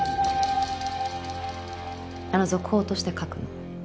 あの続報として書くの。